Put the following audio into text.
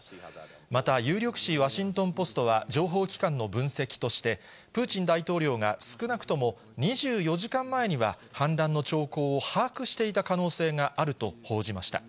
また有力紙ワシントンポストは情報機関の分析として、プーチン大統領が少なくとも２４時間前には、反乱の兆候を把握していた可能性があると報じました。